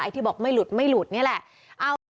ไม่มีจิตนาที่จะลืมอยู่ศาสนาอะไรเลยครับ